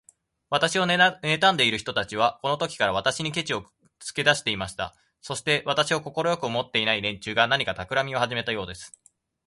私をねたんでいる人たちは、このときから、私にケチをつけだしました。そして、私を快く思っていない連中が、何かたくらみをはじめたようです。